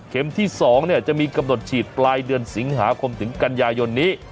ที่๒จะมีกำหนดฉีดปลายเดือนสิงหาคมถึงกันยายนนี้